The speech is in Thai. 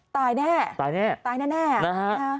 ตายแน่ตายแน่แน่นะฮะตายแน่